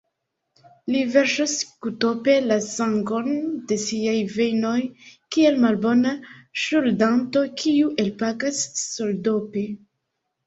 Li verŝos gutope la sangon de siaj vejnoj, kiel malbona ŝuldanto, kiu elpagas soldope.